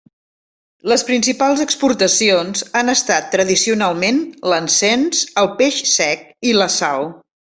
Les principals exportacions han estat tradicionalment l'encens, el peix sec i la sal.